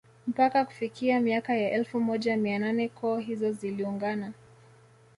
Mpaka kufikia miaka ya elfu moja mia nane koo hizo ziliungana